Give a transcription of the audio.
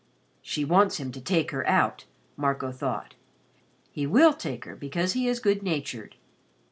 "She wants him to take her out," Marco thought. "He will take her because he is good natured."